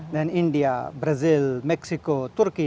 dan india brazil meksiko turki